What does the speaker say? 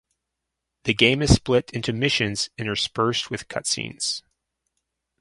The game is split into missions interspersed with cutscenes.